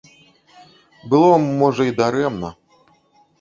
Было, можа, і дарэмна.